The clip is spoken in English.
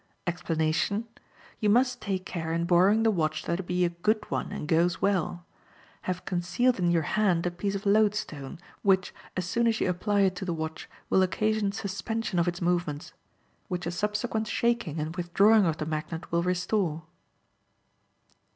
Explanation: You must take care in borrowing the watch that it be a good one and goes well; have concealed in your hand a piece of loadstone, which, as soon as you apply it to the watch, will occasion suspension of its movements, which a subsequent shaking and withdrawing of the magnet will restore.